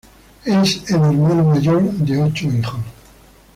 Es el hermano mayor de ocho hijos.